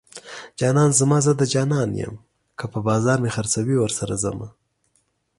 جانان زما زه د جانان یم که په بازار مې خرڅوي ورسره ځمه